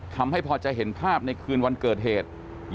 ทำให้พอจะเห็นภาพในคืนวันเกิดเหตุ